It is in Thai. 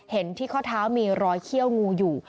เห็นที่ข้อเท้ามีรอยเขี้ยวงูอยู่